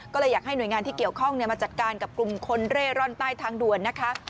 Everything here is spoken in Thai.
ก็เลยอยากให้หน่วยงานที่เกี่ยวข้องมาจัดการกับกลุ่มคนเร่ร่อนใต้ทางด่วนนะคะ